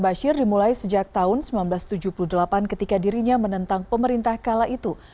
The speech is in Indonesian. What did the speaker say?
basir dimulai sejak tahun seribu sembilan ratus tujuh puluh delapan ketika dirinya menentang pemerintah kala itu